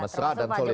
mesra dan solid